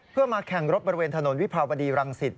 เพื่อมาแข่งรถบริเวณถนนวิภาวดีรังสิต